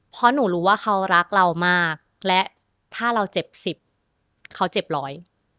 เพราะหนูรู้ว่าเขารักเรามากและถ้าเราเจ็บสิบเขาเจ็บร้อย